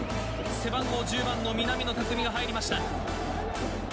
背番号１０番の南野拓実が入りました。